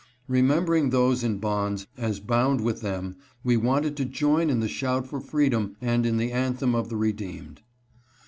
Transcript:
Remembering those in bonds as bound with them, we wanted to join in the shout for freedom, and in the anthem of the redeemed.